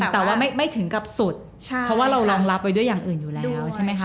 แต่ว่าไม่ถึงกับสุดเพราะว่าเรารองรับไว้ด้วยอย่างอื่นอยู่แล้วใช่ไหมคะ